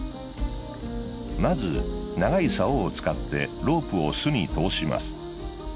まず長い竿を使ってロープを巣に通します。